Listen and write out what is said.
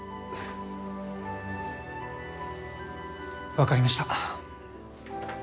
分かりました。